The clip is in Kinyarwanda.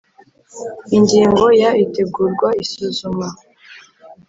Ingingo ya Itegurwa isuzumwa